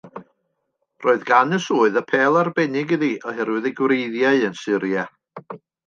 Roedd gan y swydd apêl arbennig iddi oherwydd ei gwreiddiau yn Syria.